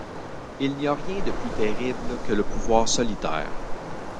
Il n’y a rien de plus terrible que le pouvoir solitaire.